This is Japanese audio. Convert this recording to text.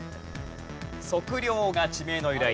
測量が地名の由来。